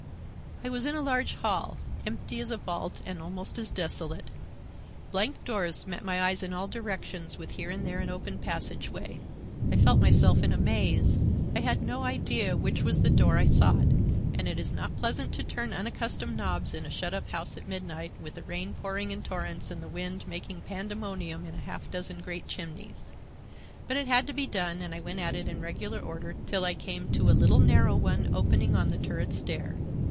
"I was in a large hall, empty as a vault and almost as desolate. Blank doors met my eyes in all directions, with here and there an open passageway. I felt myself in a maze. I had no idea which was the door I sought, and it is not pleasant to turn unaccustomed knobs in a shut up house at midnight, with the rain pouring in torrents and the wind making pandemonium in a half dozen great chimneys. "But it had to be done, and I went at it in regular order till I came to a little narrow one opening on the turret stair.